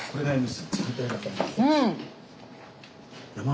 うん。